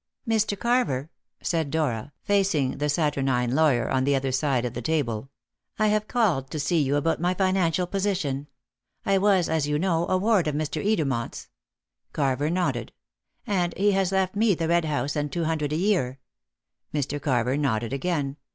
"Mr. Carver," said Dora, facing the saturnine lawyer on the other side of the table, "I have called to see you about my financial position. I was, as you know, a ward of Mr. Edermont's" Carver nodded "and he has left me the Red House and two hundred a year." Mr. Carver nodded again.